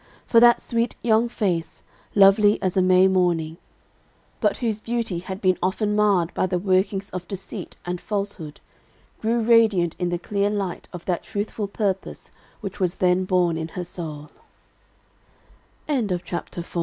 For that sweet young face, lovely as a May morning, but whose beauty had been often marred by the workings of deceit and falsehood, grew radiant in the clear light of that truthful purpose which was then born in her sou